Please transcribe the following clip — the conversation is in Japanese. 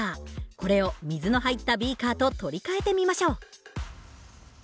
これを水の入ったビーカーと取り替えてみましょう。